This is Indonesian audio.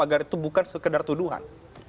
agar itu bukan sekedar tuduhan